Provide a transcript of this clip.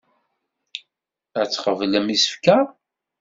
Ad tqeblem isefka.